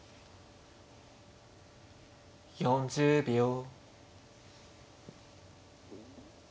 ４０秒。